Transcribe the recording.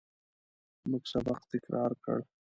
موږ سبق تکرار کړ.